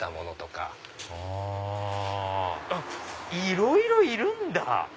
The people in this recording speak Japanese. いろいろいるんだ！